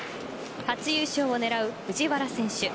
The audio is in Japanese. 初優勝を狙う藤原選手